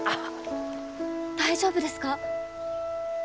大丈夫ですか？